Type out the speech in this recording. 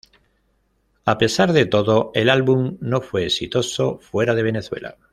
A pesar de todo, el álbum no fue exitoso fuera de Venezuela.